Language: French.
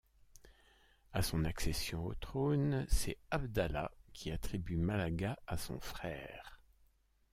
À son accession au trône, c'est Abdalah qui attribue Malaga à son frère.